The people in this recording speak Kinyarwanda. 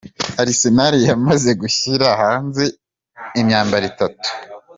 Arsenal yamaze gushyira hanze imyambaro itatu